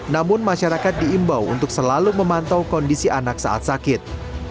namun masyarakat diimbau untuk selalu memantau kondisi anak saat sakit